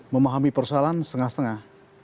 memahami persoalan setengah setengah